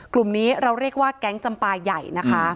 กลุ่มนี้เราเรียกว่าแก๊งจำปลาใหญ่นะคะ